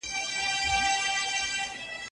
کرونا یو خطرناک وېروس دی چې په ټوله نړۍ کې خپور شو.